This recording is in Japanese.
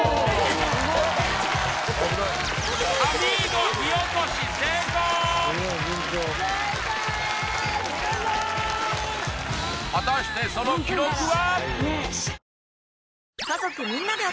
アミーゴ火おこし成功果たしてその記録は？